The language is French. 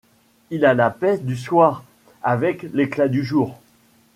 Il a la paix du soir avec l'éclat du jour